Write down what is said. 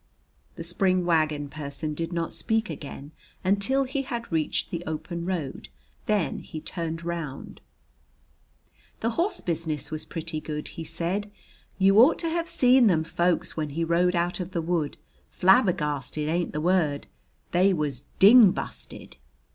The spring wagon person did not speak again until he had reached the open road. Then he turned round. "The horse business was pretty good," he said. "You ought to hev seen them folks when he rode out of the wood. Flabbergasted ain't the word. They was ding busted."